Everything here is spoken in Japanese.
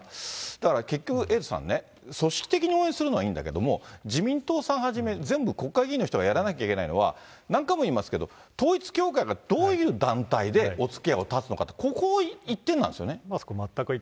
だから結局、エイトさんね、組織的に応援するのはいいんだけども、自民党さんはじめ、全部国会議員の人がやらなきゃいけないのは、何回も言いますけど、統一教会がどういう団体でおつきあいを断つのかって、ここ、そこを全く言ってないですよね。